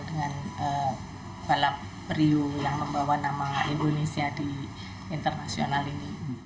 dengan balap periu yang membawa nama indonesia di internasional ini